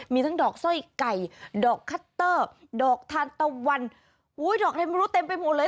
มีทั้งดอกสร้อยไก่ดอกคัตเตอร์ดอกทานตะวันอุ้ยดอกอะไรไม่รู้เต็มไปหมดเลย